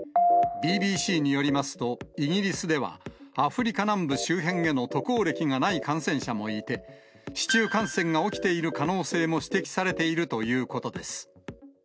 ＢＢＣによりますとイギリスでは、アフリカ南部周辺への渡航歴がない感染者もいて、市中感染が起きている可能性も指摘されているということです。